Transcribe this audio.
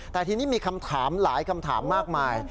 แต่ทีนี้มีคำถามหลายคำถามมากมาย